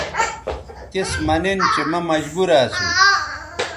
تِس مہ نِن چہءمہ مجبورہ اسُو